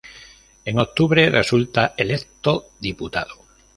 En octubre resulta electo diputado.